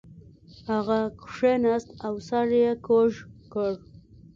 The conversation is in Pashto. هغه کښیناست او سر یې کږ کړ